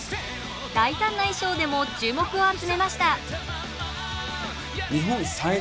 大胆な衣装でも注目を集めました。